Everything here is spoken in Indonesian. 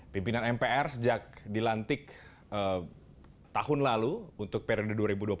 pimpinan mpr sejak dilantik tahun lalu untuk periode dua ribu dua puluh